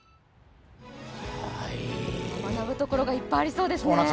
学ぶところがいっぱいありそうですね。